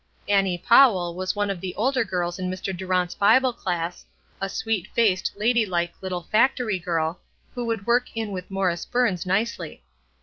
Annie Powell was one of the older girls in Mr. Durant's Bible class; a sweet faced, ladylike little factory girl, who would work in with Morris Burns nicely.